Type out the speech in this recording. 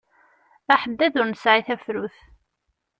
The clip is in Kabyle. Aḥeddad ur nesɛi tafrut.